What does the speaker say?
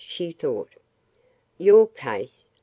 she thought. "Your case?"